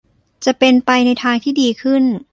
จะเป็นไปในทางที่ดีขึ้น